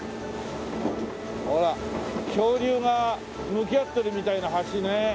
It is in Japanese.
ほら恐竜が向き合ってるみたいな橋ね。